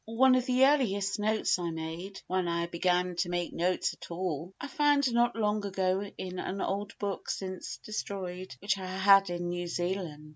One of the earliest notes I made, when I began to make notes at all, I found not long ago in an old book, since destroyed, which I had in New Zealand.